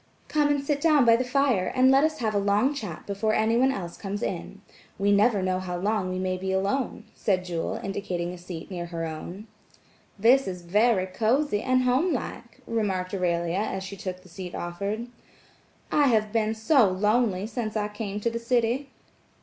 "Come and sit down by the fire and let us have a long chat before anyone else comes in. We never know how long we may be alone," said Jewel, indicating a seat near her own. "This is very cosy and homelike," remarked Aurelia as she took the seat offered. "I have been so lonely since I came to the city."